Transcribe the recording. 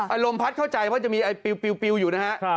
ไอ้ลมพัดเข้าใจเพราะจะมีไอ้ปลิวอยู่นะฮะ